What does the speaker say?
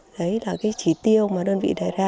đấy là cái chỉ tiêu mà đơn vị đại gia